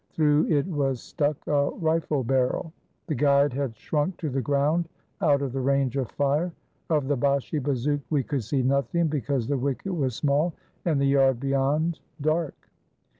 Through it was stuck a rifle barrel. The guide had shrunk to the ground, out of the range of fire. Of the Bashi bazouk we could see nothing, because the wicket was small, and the yard beyond, dark.